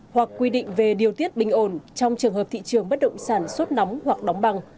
hoặc quy định về điều tiết bình ồn trong trường hợp thị trường bất động sản sốt nóng hoặc đóng băng